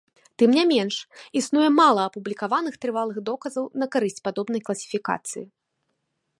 Тым ня менш, існуе мала апублікаваных трывалых доказаў на карысць падобнай класіфікацыі.